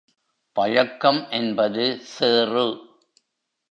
பழக்கம் என்பது சேறு.